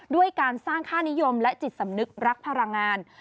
ด้วยการสร้างค่านิยมและจิตสำนึกรักพลังงาน